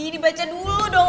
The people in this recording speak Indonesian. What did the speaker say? dibaca dulu dong